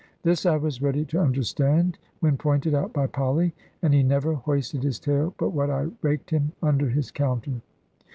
This I was ready to understand, when pointed out by Polly; and he never hoisted his tail but what I raked him under his counter.